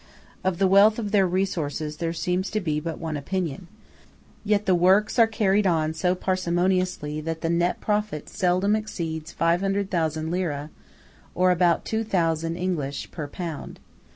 Of the wealth of their resources there seems to be but one opinion; yet the works are carried on so parsimoniously that the nett profit seldom exceeds 500,000 lire, or about £2,000 English, per annum.